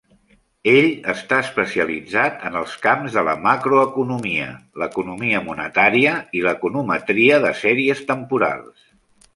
Ell està especialitzat en els camps de la macroeconomia, l'economia monetària i l'econometria de sèries temporals.